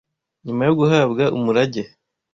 nyuma yo guhabwa umurage